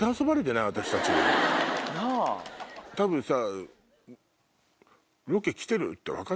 多分さ。